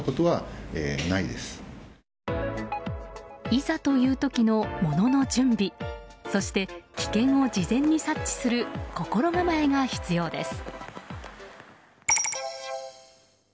いざという時の物の準備そして、危険を事前に察知する心構えが必要です。